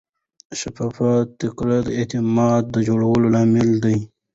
شفافه تګلاره د اعتماد د جوړېدو لامل ده.